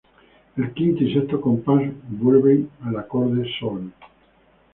El quinto y sexto compás vuelven al acorde Sol.